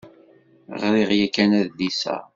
Ɣṛiɣ yakan adlis-a.